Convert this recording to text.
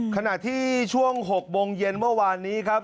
ขณะที่ช่วง๖โมงเย็นเมื่อวานนี้ครับ